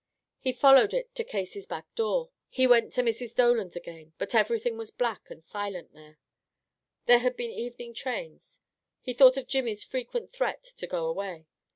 He followed it to Casey's back door. He went to Mrs. Dolan's again, but everything was black and silent there. There had been evening trains. He thought of Jimmy's frequent threat to go away.